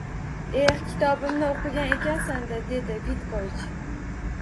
“Eh, kitobimni o’qigan ekansan-da?!” – dedi Vitkovich